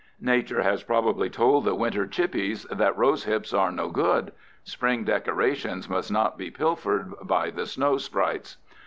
Nature has probably told the winter chippies that rose hips are no good—spring decorations must not be pilfered by the snow sprites.